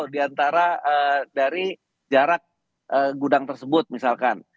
di antara dari jarak gudang tersebut misalkan